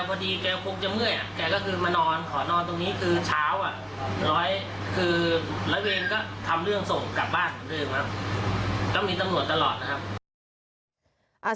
ก็มีตำรวจตลอดนะครับ